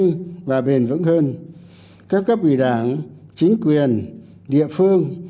điều này sẽ giúp đỡ các cấp ủy đảng chính quyền địa phương các cấp ủy đảng chính quyền địa phương